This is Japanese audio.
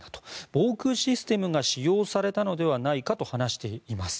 防空システムが使用されたのではないかと話しています。